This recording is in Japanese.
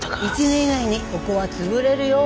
１年以内にここは潰れるよ。